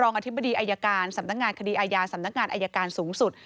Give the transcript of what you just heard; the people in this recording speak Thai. อธิบดีอายการสำนักงานคดีอาญาสำนักงานอายการสูงสุด